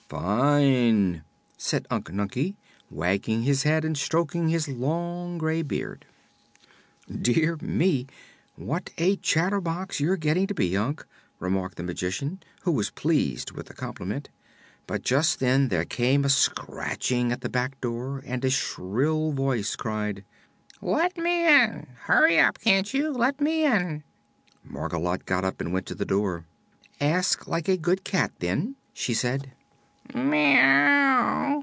"Fine!" said Unc Nunkie, wagging his head and stroking his long gray beard. "Dear me; what a chatterbox you're getting to be, Unc," remarked the Magician, who was pleased with the compliment. But just then there came a scratching at the back door and a shrill voice cried: "Let me in! Hurry up, can't you? Let me in!" Margolotte got up and went to the door. "Ask like a good cat, then," she said.